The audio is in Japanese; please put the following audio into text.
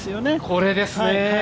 これですね。